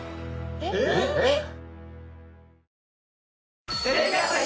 えっ？